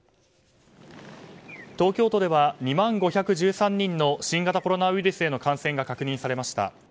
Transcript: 東京都では２万５１３人の新型コロナウイルスへの感染が確認されました。